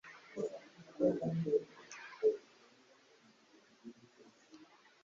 Iyi ni imyenda Mariya yakoze wenyine.